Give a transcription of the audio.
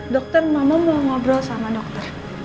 dokter mama mau ngobrol sama dokter